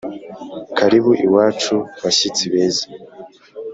Karibu iwacu bashyitsi beza